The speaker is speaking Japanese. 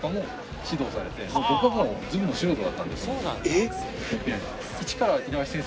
えっ？